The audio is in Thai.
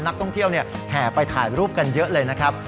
นักท่องเที่ยวแห่ไปถ่ายรูปกันเยอะเลยนะครับ